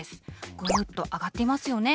ぐっと上がっていますよね。